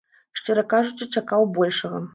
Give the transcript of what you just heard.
Шчыра кажучы, чакаў большага.